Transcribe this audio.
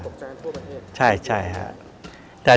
ตกใจกันทั่วประเทศ